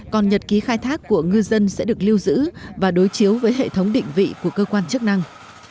còn nhật ký khai thác của ngư dân sẽ được lưu giữ và đối chiếu với hệ thống định vị của cơ quan chức năng